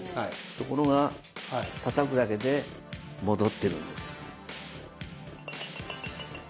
ところがたたくだけで戻ってるんです。